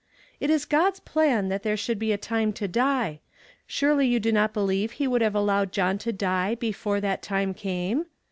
" It is God's plan that there shall be a time to die. Surely you do not believe he would have allowed John to die before that time came